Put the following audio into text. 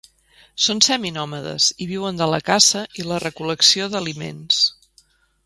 Són seminòmades i viuen de la caça i la recol·lecció d'aliments.